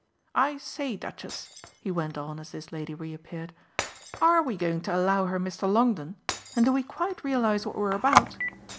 I say, Duchess," he went on as this lady reappeared, "ARE we going to allow her Mr. Longdon and do we quite realise what we're about?